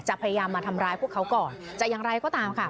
พยายามมาทำร้ายพวกเขาก่อนจะอย่างไรก็ตามค่ะ